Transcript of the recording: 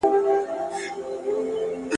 کارپوهان وايي ریښتینې خندا روغتیا ته ګټوره ده.